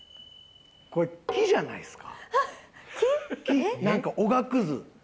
これ、木じゃないですか？